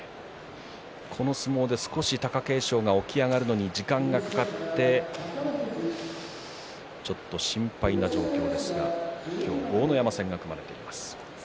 この相撲で少し貴景勝が起き上がるのに時間がかかってちょっと心配な状況ですが今日、豪ノ山戦が組まれています。